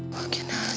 alhamdulillah ya allah